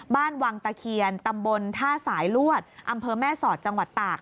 บ้านวังตะเคียนตำบลท่าสายลวดอำเภอแม่สอดจังหวัดตาก